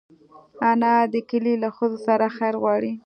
انا د کلي له ښځو سره خیر غواړي